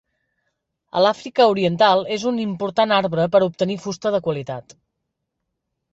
A l'Àfrica oriental és un important arbre per a obtenir fusta de qualitat.